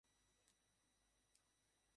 বর্ষার মৌসুমে আগস্ট মাসে বেশি পানিপ্রবাহ থাকে।